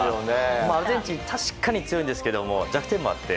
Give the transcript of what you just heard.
アルゼンチン確かに強いんですけど弱点もあって。